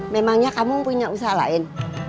memangnya kamu punya usaha lain